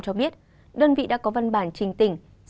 cho biết đơn vị đã có văn bản trình tỉnh